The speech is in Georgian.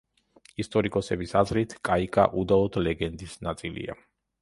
ისტორიკოსების აზრით კაიკა უდაოდ ლეგენდის ნაწილია.